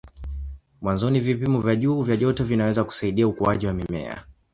Mwanzoni vipimo vya juu vya joto vinaweza kusaidia ukuaji wa mimea.